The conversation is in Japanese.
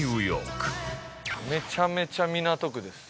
めちゃめちゃ港区です。